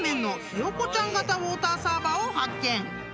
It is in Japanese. ひよこちゃん形ウオーターサーバーを発見］